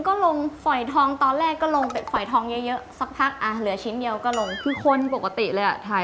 ของแท้แต่ก็เรื่องของเขา